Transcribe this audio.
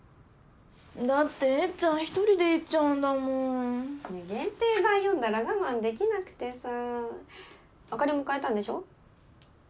だってえっちゃん一人で行っちゃうんだもん限定版読んだら我慢できなくてさあかりも買えたんでしょ？